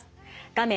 画面